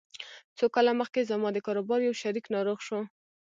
څو کاله مخکې زما د کاروبار يو شريک ناروغ شو.